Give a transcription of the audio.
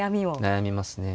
悩みますね。